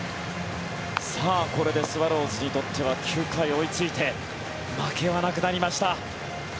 これでスワローズにとっては９回、追いついて負けはなくなりました。